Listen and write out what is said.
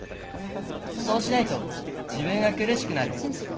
そうしないと自分が苦しくなる。